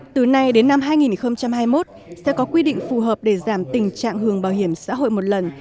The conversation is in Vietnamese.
từ nay đến năm hai nghìn hai mươi một sẽ có quy định phù hợp để giảm tình trạng hưởng bảo hiểm xã hội một lần